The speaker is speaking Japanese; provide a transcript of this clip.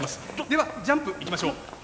ではジャンプいきましょう。